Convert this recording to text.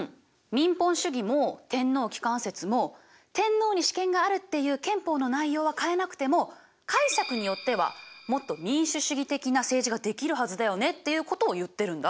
民本主義も天皇機関説も天皇に主権があるっていう憲法の内容は変えなくても解釈によってはもっと民主主義的な政治ができるはずだよねっていうことを言ってるんだ。